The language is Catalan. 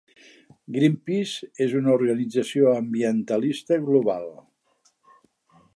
Greenpeace és una organització ambientalista global.